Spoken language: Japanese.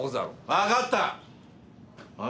わかった。